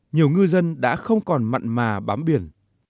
nhiều ngư dân đã không còn mặn mà bám biển